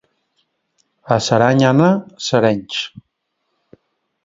A Saranyana, serenys.